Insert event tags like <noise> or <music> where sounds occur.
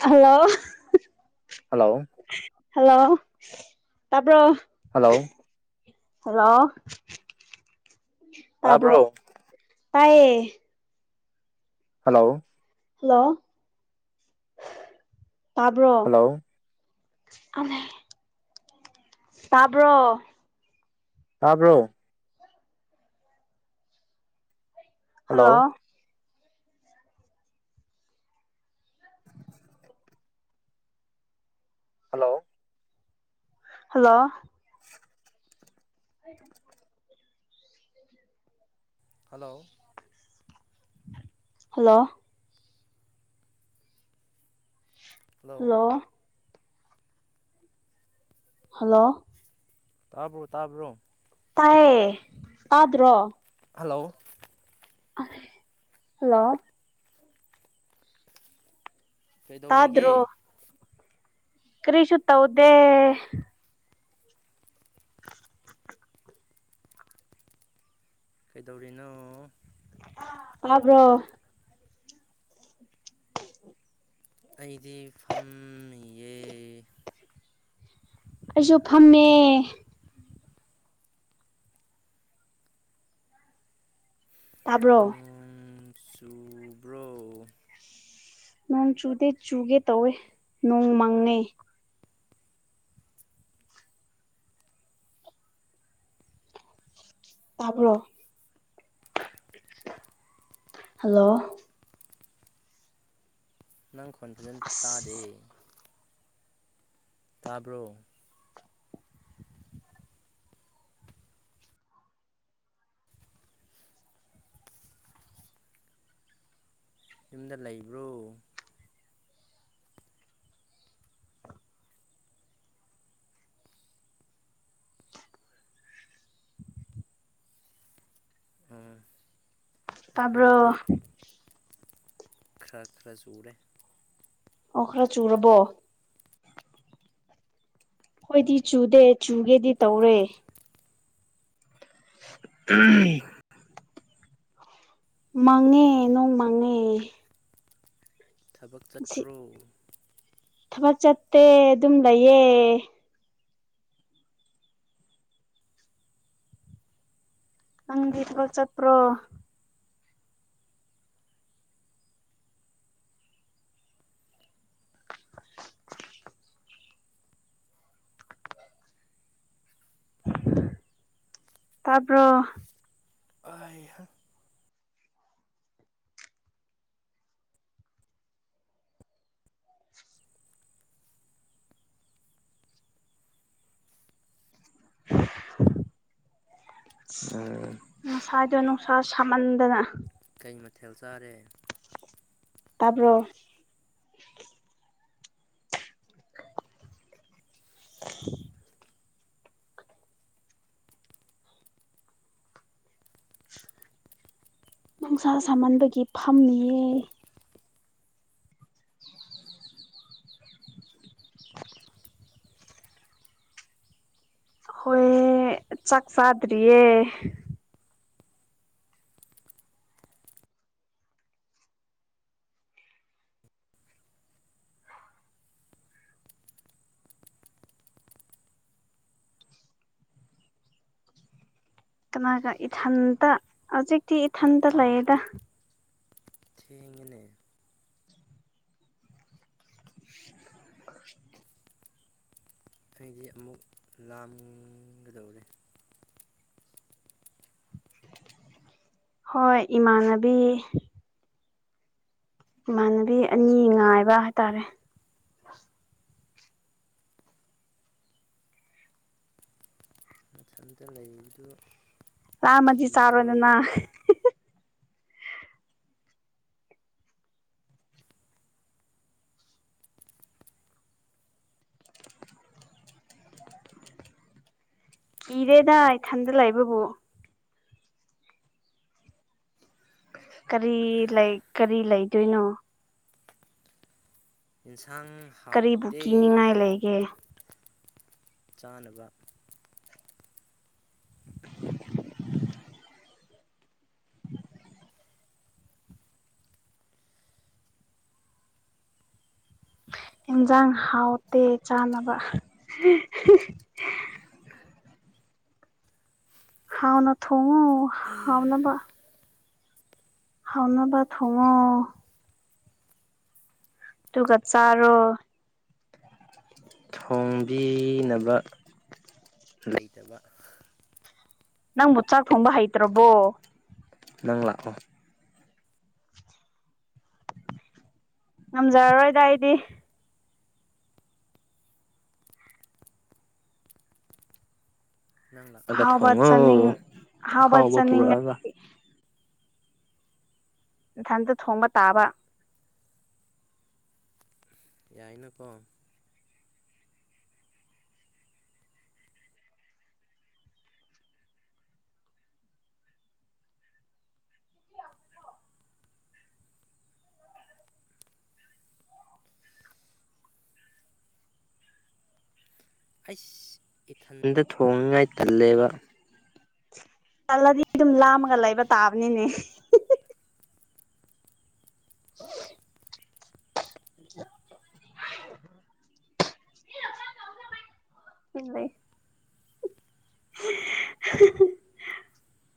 hello hello hello ꯇꯥꯕꯔꯣ hello hello ꯇꯥꯕ꯭ꯔꯣ ꯇꯥꯏꯑꯦ ꯍꯜꯂꯣ ꯍꯜꯂꯣ ꯇꯥꯕ꯭ꯔꯣ ꯍꯜꯂꯣ ꯇꯥꯕ꯭ꯔꯣ ꯇꯥꯕ꯭ꯔꯣ hello hello hello <inaudible> hello hello hello hello ꯇꯥꯕ꯭ꯔꯣ ꯇꯥꯕ꯭ꯔꯣ ꯇꯥꯏꯌꯦ ꯇꯥꯗ꯭ꯔꯣ ꯍꯜꯂꯣ ꯑꯁ ꯍꯜꯂꯣ ꯀꯩꯗꯧꯔꯤꯒꯦ ꯇꯥꯗ꯭ꯔꯣ ꯀꯔꯤꯁꯨ ꯇꯧꯗꯦ ꯀꯩꯗꯧꯔꯤꯅꯣ ꯇꯥꯕ꯭ꯔꯣ ꯑꯩꯗꯤ ꯐꯝꯃꯤꯌꯦ ꯑꯩꯁꯨ ꯐꯝꯃꯦ ꯇꯥꯕ꯭ꯔꯣ ꯅꯣꯡ ꯆꯨꯕ꯭ꯔꯣ ꯅꯣꯡ ꯆꯨꯗꯦ ꯆꯨꯒꯦ ꯇꯧꯋꯦ ꯅꯣꯡ ꯃꯪꯉꯦ ꯇꯥꯕ꯭ꯔꯣ ꯍꯜꯂꯣ ꯅꯪ ꯈꯣꯟꯖꯦꯜ ꯇꯥꯗꯦ ꯇꯥꯕ꯭ꯔꯣ ꯌꯨꯝꯗ ꯂꯩꯕ꯭ꯔꯣ ꯎꯝ ꯇꯥꯔꯕ ꯑꯩꯈꯣꯏꯗꯗꯤ ꯈꯔ ꯈꯔ ꯁꯂꯦ ꯑꯣꯈꯔ ꯆꯨꯔꯕꯣ ꯍꯣꯏꯗꯤ ꯆꯨꯗꯦ ꯆꯨꯒꯦꯗꯤ ꯇꯧꯔꯦ ꯎꯝ ꯃꯥꯡꯉꯦ ꯅꯣꯡ ꯃꯥꯡꯉꯦ ꯊꯕꯛ ꯆꯠꯄ꯭ꯔꯣ ꯊꯕꯛ ꯆꯠꯇꯦ ꯑꯗꯨꯝ ꯂꯩꯌꯦ ꯅꯪꯤꯠꯒ ꯆꯄ꯭ꯔꯣ <inaudible> ꯇꯄꯣ ꯑꯍ ꯎꯝ <inaudible> ꯉꯁꯥꯏꯗꯣ ꯅꯨꯡꯁꯥ ꯁꯥꯍꯟꯗꯅ ꯊꯦꯜꯁꯥꯔꯦ ꯇꯥꯄꯔꯣ <inaudible> ꯅꯨꯡꯁꯥ ꯁꯥꯍꯟꯕꯒꯤ ꯐꯝꯃꯤꯌꯦ ꯆꯈꯁꯗ꯭ꯔꯤꯌꯦꯦ ꯀꯅꯥꯒ ꯏꯊꯟꯇ ꯍꯧꯖꯤꯛꯇꯤ ꯏꯊꯟꯇ ꯂꯩꯗ ꯊꯦꯡꯅꯦ ꯑꯇꯩꯗꯤ ꯑꯃꯨꯛ ꯂꯥꯒꯗꯧꯔꯦ ꯍꯣꯏ ꯏꯃꯥꯟꯅꯕꯤ ꯏꯃꯥꯟꯅꯕꯤ ꯑꯅꯤ ꯉꯥꯏꯕ ꯍꯥꯏꯇꯥꯔꯦ ꯁꯝꯇ ꯂꯩꯗꯨ ꯔꯃꯖꯤ ꯆꯔ ꯋꯥꯅꯦꯅꯥ ꯏꯔꯦꯗꯥ ꯊꯟꯗꯂꯥꯏꯕꯕꯨ ꯀꯔꯤ ꯂꯩ ꯀꯔꯤ ꯂꯩꯗꯣꯏꯅꯣ ꯌꯦꯟꯁꯥꯡ ꯀꯔꯤꯕꯨ ꯍꯥꯎꯇꯦ ꯀꯤꯅꯤꯡꯉꯥꯏ ꯂꯩꯒꯦ ꯆꯥꯅꯕ ꯏꯟꯖꯥꯡ ꯍꯥꯎꯇꯦ ꯆꯥꯅꯕ ꯍꯥꯎꯅ ꯊꯣꯡꯉ ꯍꯥꯎꯅꯕ ꯍꯥꯎꯅꯥꯕꯠ ꯍꯉꯣ ꯇꯨꯡ ꯀꯠ ꯆꯔꯣ ꯄꯦꯅꯕ ꯂꯩꯇꯕ ꯅꯪ ꯃꯠꯆꯥꯒ ꯊꯝꯕ ꯍꯥꯏꯩꯇ꯭ꯔꯣꯕꯣ ꯅꯪꯂꯥꯛꯣ <inaudible> ꯉꯝꯖꯔꯔꯣꯏꯗ ꯑꯩꯗꯤ ꯅꯪ ꯂꯥꯛꯑꯒ ꯑꯍꯥꯎꯕ ꯊꯣꯡꯉꯣ ꯆꯥꯅꯤꯡ ꯑꯍꯥꯎꯕ ꯄꯨꯔꯛꯑꯒ ꯏꯊꯟꯇ ꯊꯣꯡꯕ ꯇꯥꯕ ꯑꯩꯅꯀꯣ ꯑꯩꯁ ꯏꯊꯟꯗ ꯊꯣꯡꯉꯉꯥꯏ ꯇꯜꯂꯦꯕ ꯆꯜꯂꯗꯤ ꯑꯗꯨꯝ ꯂꯥꯝꯃꯒ ꯂꯩꯕ ꯇꯥꯕꯅꯤꯅꯦ <inaudible> <inaudible> ꯏ ꯂꯩ <inaudible> <inaudible>